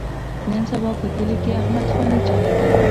نن سبا په کلي کې احمد خاني چولي.